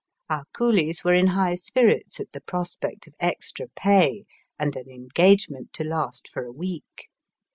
Our cooUes were in high spirits at the pro spect of extra pay and an engagement to last for a week.